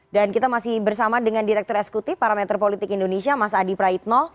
dan kita masih bersama dengan direktur esekutif parameter politik indonesia mas adi praitno